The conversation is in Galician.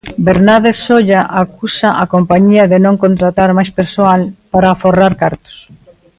Bernárdez Solla acusa a compañía de non contratar máis persoal "para aforrar cartos".